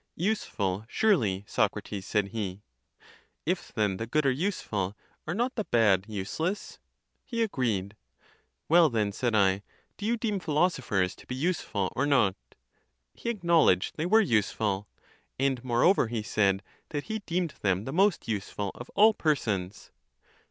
—Useful, surely, So crates, said he.—If then the good are useful, are not the bad useless?—He agreed.— Well then, said I, do you deem philosophers to be useful, or not?—He acknowledged they were useful; and moreover he said, that he deemed them the most useful (of all persons).